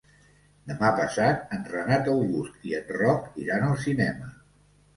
Demà passat en Renat August i en Roc iran al cinema.